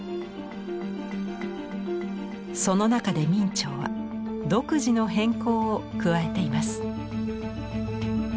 その中で明兆は独自の変更を加えています。